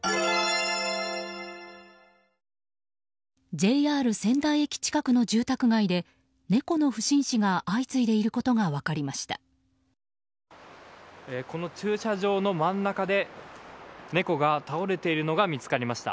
ＪＲ仙台駅近くの住宅街で猫の不審死が相次いでいることが分かりました。